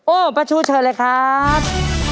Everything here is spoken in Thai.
โอ้ป้าชุเชิญเลยครับ